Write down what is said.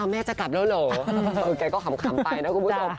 แม่จะกลับแล้วเหรอแกก็ขำไปนะคุณผู้ชม